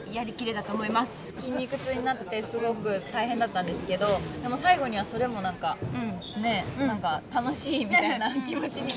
筋肉痛になってすごく大変だったんですけどでも最後にはそれも何かねえ何か楽しいみたいな気持ちになったし。